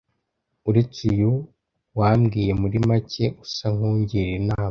Uretse uyu wambwiye muri make asa nk’ungira inama,